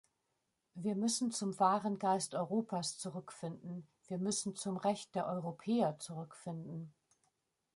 Wir müssen zum wahren Geist Europas zurückfinden, wir müssen zum Recht der Europäer zurückfinden!